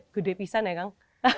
gede pisan ya kang